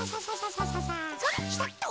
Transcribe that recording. それひたっと。